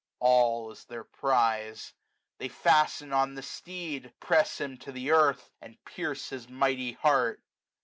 All is their prize. They fasten on the steed. Press him to earth, and pierce his mighty heart.